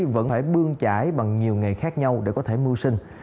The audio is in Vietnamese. vẫn phải bương trải bằng nhiều nghề khác nhau để có thể mưu sinh